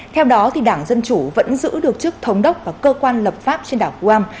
theo đó đảng dân chủ vẫn giữ được chức thống đốc và cơ quan lập pháp trên đảo gram